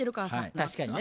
確かにね。